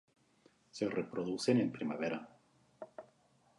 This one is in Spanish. Se reproducen en primavera.